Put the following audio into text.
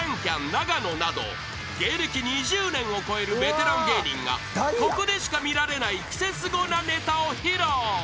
永野など芸歴２０年を超えるベテラン芸人がここでしか見られないクセスゴなネタを披露］